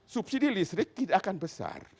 subsidi listrik tidak akan besar